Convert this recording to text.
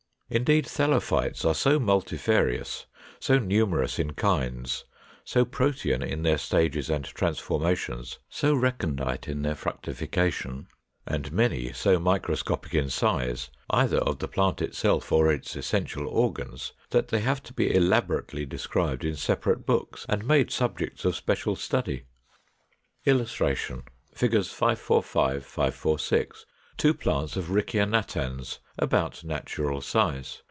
Indeed, Thallophytes are so multifarious, so numerous in kinds, so protean in their stages and transformations, so recondite in their fructification, and many so microscopic in size, either of the plant itself or its essential organs, that they have to be elaborately described in separate books and made subjects of special study. [Illustration: Fig. 545, 546. Two plants of Riccia natans, about natural size.